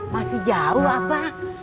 masih jauh apa